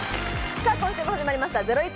さぁ、今週も始まりました『ゼロイチ』。